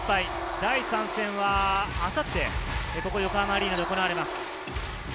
第３戦は明後日、横浜アリーナで行われます。